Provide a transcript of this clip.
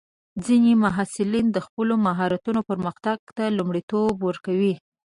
ځینې محصلین د خپلو مهارتونو پرمختګ ته لومړیتوب ورکوي.